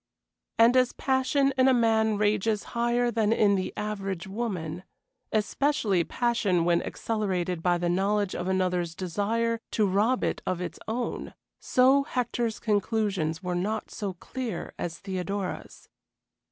And as passion in a man rages higher than in the average woman, especially passion when accelerated by the knowledge of another's desire to rob it of its own, so Hector's conclusions were not so clear as Theodora's.